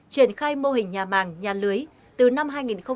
triển khai mô hình nhà màng nhà lưới từ năm hai nghìn hai mươi